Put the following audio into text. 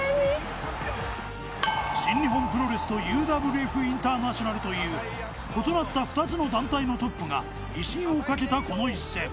新日本プロレスとＵＷＦインターナショナルという異なった２つの団体のトップが威信をかけたこの一戦。